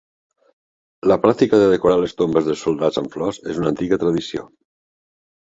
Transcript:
La pràctica de decorar les tombes dels soldats amb flors és una antiga tradició.